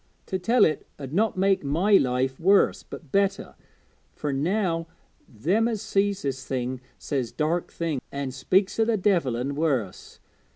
To tell it 'ud not make my life worse but better, fur now them as sees this thing says dark things, an' speaks o' the devil an' worse.